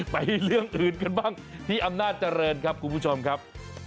เรื่องอื่นกันบ้างที่อำนาจเจริญครับคุณผู้ชมครับ